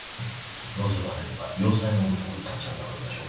望まれれば要塞のごとく立ちはだかりましょう。